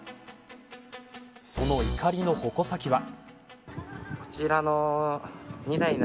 その怒りの矛先は。